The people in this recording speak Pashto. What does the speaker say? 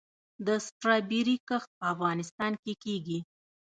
د سټرابیري کښت په افغانستان کې کیږي؟